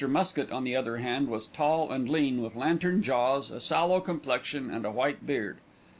Muskett, on the other hand, was tall and lean with lantern jaws, a sallow complexion and a white beard.